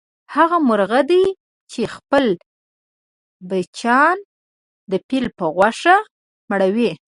هغه مرغه دی چې خپل بچیان د پیل په غوښو مړوي.